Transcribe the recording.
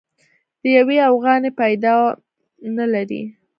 د يوې اوغانۍ پيدام نه لري.